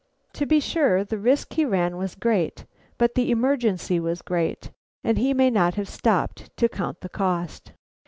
To be sure, the risk he ran was great, but the emergency was great, and he may not have stopped to count the cost.